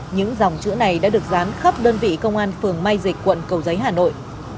những dòng chữ này đã được rán khắp đơn vị công an phường mai dịch quận cầu giấy hà nội